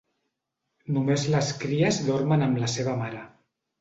Només les cries dormen amb la seva mare.